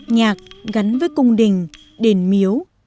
nhạc đàn đáy